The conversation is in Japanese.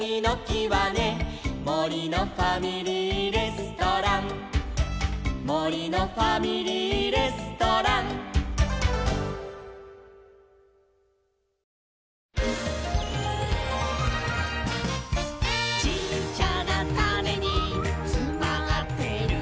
「もりのファミリーレストラン」「もりのファミリーレストラン」「ちっちゃなタネにつまってるんだ」